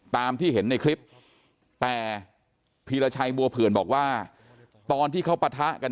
ตามที่เห็นในคลิปแต่พีรชัยบัวเผื่อนบอกว่าตอนที่เขาปะทะกัน